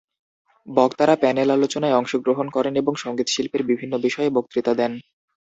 বক্তারা প্যানেল আলোচনায় অংশগ্রহণ করেন এবং সঙ্গীত শিল্পের বিভিন্ন বিষয়ে বক্তৃতা দেন।